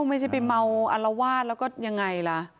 ไม่ใช่ไปเมาอลวาดแล้วก็ยังไงล่ะ